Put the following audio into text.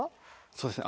そうですね。